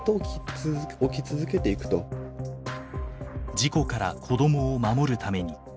事故から子どもを守るために。